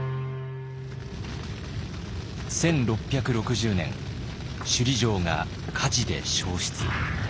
１６６０年首里城が火事で焼失。